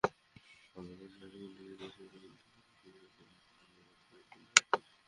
ভারত সরকার নিজের দেশের বাজার ঠিক রাখতে পেঁয়াজের ন্যূনতম রপ্তানি মূল্য বাড়িয়েছিল।